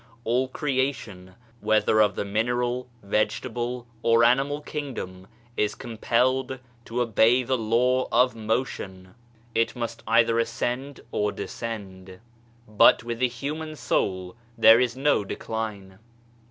All creation, whether of the mineral, vegetable or animal kingdom, is compelled to obey the law of motion ; it must either ascend or descend. But with the human soul, there is no decline.